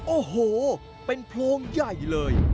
โอ้โหเป็นโพรงใหญ่เลย